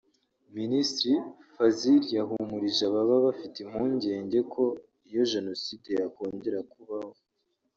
Minisitir Fazil yahumurije ababa bafite impungenge ko iyo jenoside yakongera kubaho